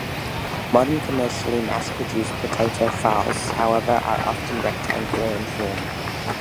Modern commercially mass-produced potato farls, however, are often rectangular in form.